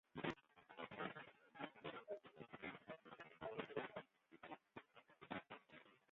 Men moat ite om te libjen en net libje om te iten.